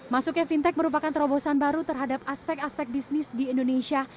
masuknya fintech merupakan terobosan baru terhadap aspek aspek bisnis di indonesia